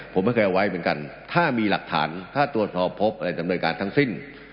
ผมไม่เคยเอาไว้เหมือนกันถ้ามีหลักฐานถ้าตรวจสอบพบอะไรจำเนินการทั้งสิ้น